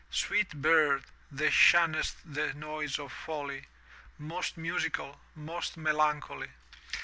Sweet bird, that shunn'st the noise of folly, ^ Most musical, most melancholy!